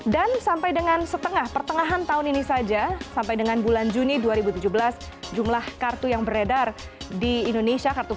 dan sampai dengan setengah pertengahan tahun ini saja sampai dengan bulan juni dua ribu tujuh belas jumlah kartu yang beredar di indonesia